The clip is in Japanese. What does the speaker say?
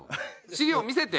資料見せて。